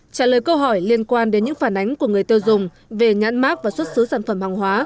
trả lời câu hỏi liên quan đến những phản ánh của người tiêu dùng về nhãn mác và xuất xứ sản phẩm hàng hóa